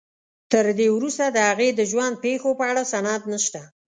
تر دې وروسته د هغې د ژوند پېښو په اړه سند نشته.